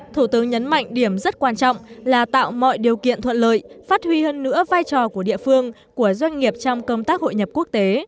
thủ tướng nhấn mạnh điểm rất quan trọng là tạo mọi điều kiện thuận lợi phát huy hơn nữa vai trò của địa phương của doanh nghiệp trong công tác hội nhập quốc tế